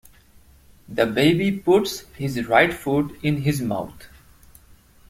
The baby puts his right foot in his mouth.